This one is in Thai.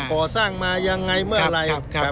ก่อสร้างมายังไงเมื่อไหร่ครับครับ